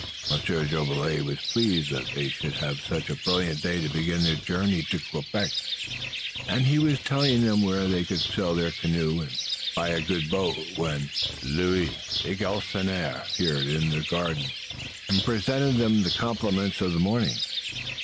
Monsieur Jolivet was pleased that they should have such a brilliant day to begin their journey to Quebec, and he was telling them where they could sell their canoe and buy a good boat when Louis de Galisonnière appeared in the garden and presented them the compliments of the morning.